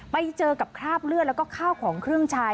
ไปเจอกับคราบเลือดแล้วก็ข้าวของเครื่องใช้